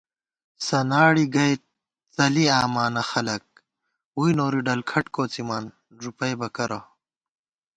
سناڑِ گَئیت څَلی آمانہ خَلَک، ووئی نوری ڈلکھٹ کوڅِمان ݫُپَئیبہ کرہ